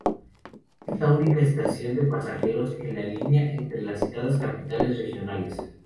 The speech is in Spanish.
Es la única estación de pasajeros en la línea entre las citadas capitales regionales.